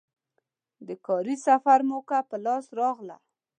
د کاري سفر موکه په لاس راغله.